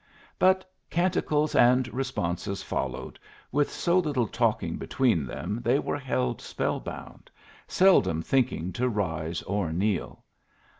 But canticles and responses followed, with so little talking between them they were held spellbound, seldom thinking to rise or kneel.